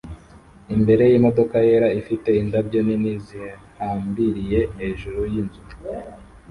imbere yimodoka yera ifite indabyo nini zihambiriye hejuru yinzu